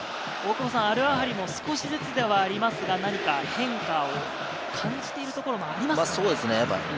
アルアハリも少しずつではありますが、何か変化を感じているところもありますか？